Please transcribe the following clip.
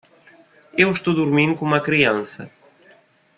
Eu estou dormindo com uma criança.